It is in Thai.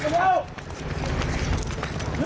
หยุดโดยมือ